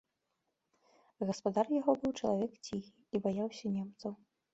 Гаспадар яго быў чалавек ціхі і баяўся немцаў.